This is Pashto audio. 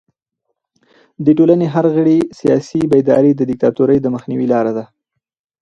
د ټولنې د هر غړي سیاسي بیداري د دیکتاتورۍ د مخنیوي لاره ده.